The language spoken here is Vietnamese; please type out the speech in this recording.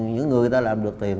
những người ta làm được tiền